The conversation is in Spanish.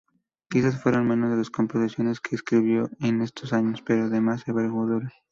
Quizás fueron menos las composiciones que escribió en estos años, pero de más envergadura.